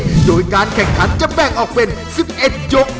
โดยการแข่งขันจะแบ่งออกเป็น๑๑ยก